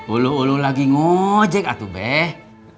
ulu ulu lagi ngejek atubeh